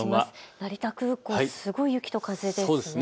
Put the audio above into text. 成田空港、すごい雪と風ですね。